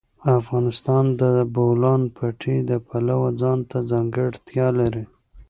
افغانستان د د بولان پټي د پلوه ځانته ځانګړتیا لري.